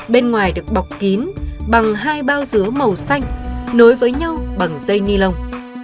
bên ngoài được bọc kín bằng hai bao dứa màu xanh nối với nhau bằng dây ni lông